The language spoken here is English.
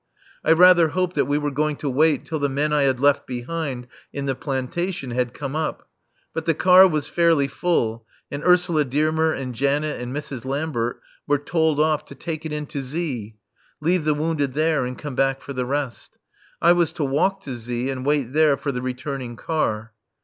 I rather hoped that we were going to wait till the men I had left behind in the plantation had come up. But the car was fairly full, and Ursula Dearmer and Janet and Mrs. Lambert were told off to take it in to Z , leave the wounded there and come back for the rest. I was to walk to Z and wait there for the returning car.